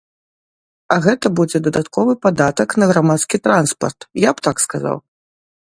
А гэта будзе дадатковы падатак на грамадскі транспарт, я б так сказаў.